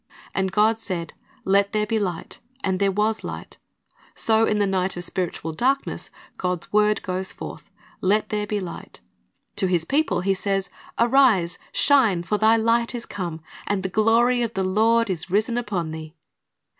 And God said, Let there be light; and there was light. "^ So in the night of spiritual darkness, God's word goes forth, "Let there be light." To His people He says, "Arise, shine; for thy light is come, and the glory of the Lord is risen upon thee."